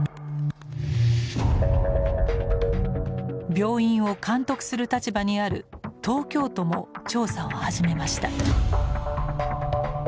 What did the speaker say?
病院を監督する立場にある東京都も調査を始めました。